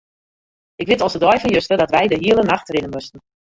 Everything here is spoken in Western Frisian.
Ik wit as de dei fan juster dat wy de hiele nacht rinne moasten.